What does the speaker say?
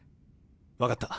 分かった。